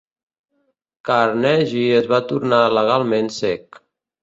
Carnegie es va tornar legalment cec.